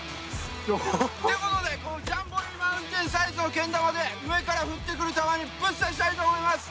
いうことでこのジャンボリーマウンテンサイズのけん玉で上から降ってくる玉にぶっさしたいと思います。